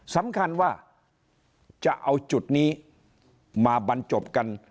สำคัญว่าจะเอาจุดนี้มาบรรจบกัน